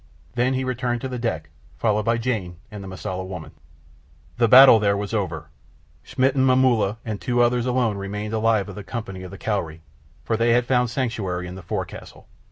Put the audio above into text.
Then he returned to the deck, followed by Jane and the Mosula woman. The battle there was over. Schmidt and Momulla and two others alone remained alive of all the company of the Cowrie, for they had found sanctuary in the forecastle.